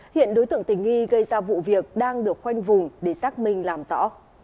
hiện đối tượng tình nghi gây ra vụ việc đang được khoanh vùng để xác minh làm rõ